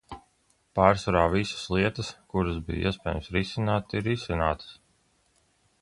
Pārsvarā visas lietas, kuras bija iespējams risināt, ir risinātas.